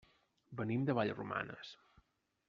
Venim de Vallromanes.